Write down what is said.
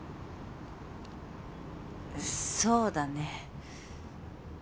そうだね。